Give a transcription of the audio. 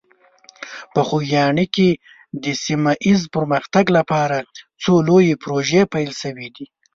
په خوږیاڼي کې د سیمه ایز پرمختګ لپاره څو لویې پروژې پیل شوي دي.